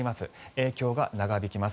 影響が長引きます。